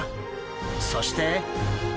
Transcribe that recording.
そして！